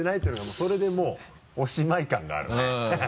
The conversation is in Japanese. それでもうおしまい感があるね。